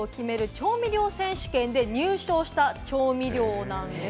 調味料選手権で入賞した調味料なんです。